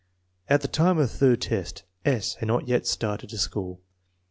At the time of the third test S. had not yet started to school.